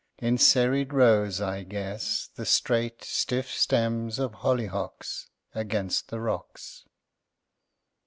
In serried rows I guess the straight, stiff stems Of hollyhocks Against the rocks.